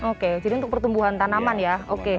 oke jadi untuk pertumbuhan tanaman ya oke